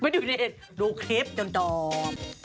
ดูคลิปจนจอม